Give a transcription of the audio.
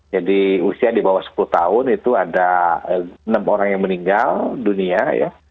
jadi usia di bawah sepuluh tahun itu ada enam orang yang meninggal dunia ya